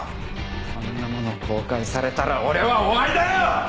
あんなもの公開されたら俺は終わりだよ！